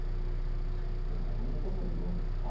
「でもこんなとこで言うんですか？」